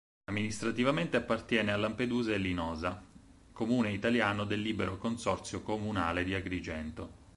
Amministrativamente appartiene a Lampedusa e Linosa, comune italiano del libero consorzio comunale di Agrigento.